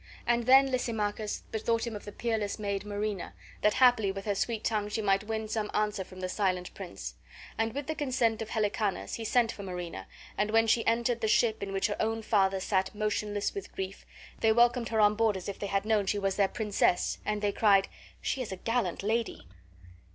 And then Lysimachus bethought him of the peerless maid Marina, that haply with her sweet tongue she might win some answer from the silent prince; and with the consent of Helicanus he sent for Marina, and when she entered the ship in which her own father sat motionless with grief, they welcomed her on board as if they had known she was their princess; and they cried: "She is a gallant lady."